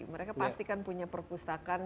mereka pasti kan punya perpustakaan